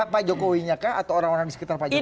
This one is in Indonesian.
pak jokowinya kah atau orang orang di sekitar pak jokowi